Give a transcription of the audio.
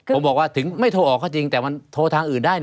ผมบอกว่าถึงไม่โทรออกก็จริงแต่มันโทรทางอื่นได้นะ